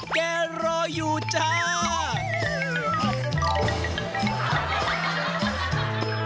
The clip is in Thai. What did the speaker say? แกรออยู่จ้า